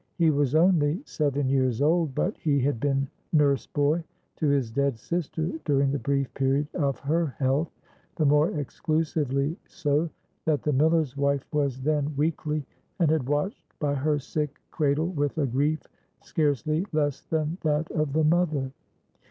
He was only seven years old, but he had been nurse boy to his dead sister during the brief period of her health,—the more exclusively so, that the miller's wife was then weakly,—and had watched by her sick cradle with a grief scarcely less than that of the mother.